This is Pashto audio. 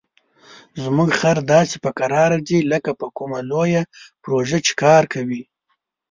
زموږ خر داسې په کراره ځي لکه په کومه لویه پروژه چې کار کوي.